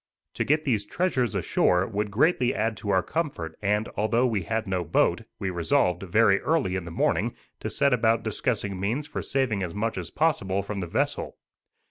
To get these treasures ashore would greatly add to our comfort, and, although we had no boat, we resolved, very early in the morning, to set about discussing means for saving as much as possible from the vessel.